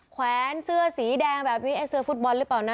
แวนเสื้อสีแดงแบบนี้ไอ้เสื้อฟุตบอลหรือเปล่านะ